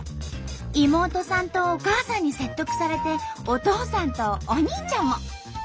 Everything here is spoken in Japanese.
妹さんとお母さんに説得されてお父さんとお兄ちゃんも。